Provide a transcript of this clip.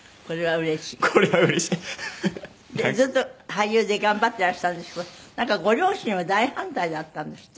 ずっと俳優で頑張っていらしたんですけどなんかご両親は大反対だったんですって？